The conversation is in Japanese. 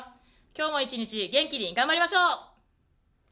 今日も１日元気に頑張りましょう！